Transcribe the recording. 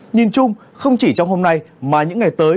nhìn chung không chỉ trong hôm nay mà những ngày tới